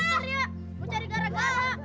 aku yang pintar ya